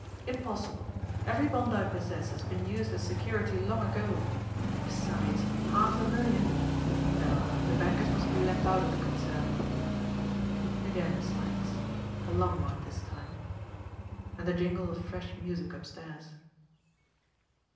" Impossible. Every bond I possess has been used as security long ago. Besides, half a million ? No, the bank ers must be left out of the concern." Again a silence, a long one this time. And the jingle of fresh music upstairs.